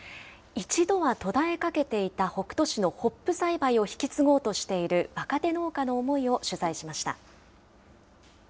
一度は途絶えかけていた北杜市のホップ栽培を引き継ごうとしている若手農家の思いを取材しました。